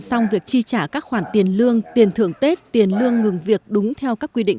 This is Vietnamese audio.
xong việc chi trả các khoản tiền lương tiền thưởng tết tiền lương ngừng việc đúng theo các quy định